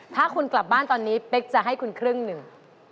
ถ้าคุณกลับบ้านตอนนี้เป๊กจะให้คุณครึ่งหนึ่ง